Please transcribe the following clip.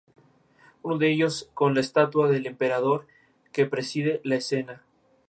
Uno de ellos con la estatua del emperador que preside la escena.